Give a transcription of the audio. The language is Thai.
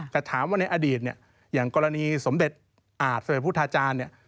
แต่ถามว่าในอดีตอย่างกรณีสมเด็จอาชสมัยพุทธาจารย์